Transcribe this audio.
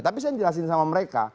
tapi saya jelasin sama mereka